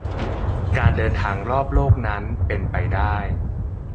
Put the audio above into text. การเดินทางรอบโลกนั้นเป็นไปได้